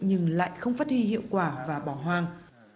nhưng lại không phát huy hiệu quả và bỏ hoang